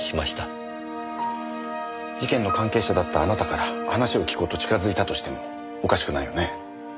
事件の関係者だったあなたから話を聞こうと近づいたとしてもおかしくないよね。